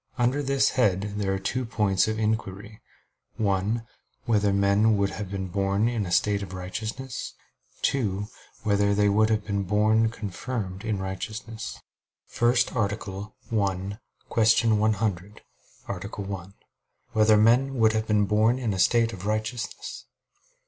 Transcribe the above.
Under this head there are two points of inquiry: (1) Whether men would have been born in a state of righteousness? (2) Whether they would have been born confirmed in righteousness? _______________________ FIRST ARTICLE [I, Q. 100, Art. 1] Whether Men Would Have Been Born in a State of Righteousness?